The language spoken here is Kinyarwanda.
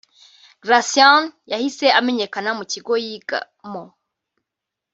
Graceann yahise amenyekana mu kigo yigamo